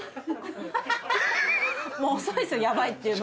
もう遅いですよ「ヤバい」って言うの。